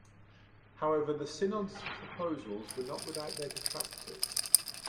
However, the synod's proposals were not without their detractors.